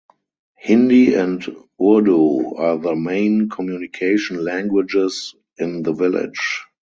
Hindi and Urdu are the main communication languages in the village.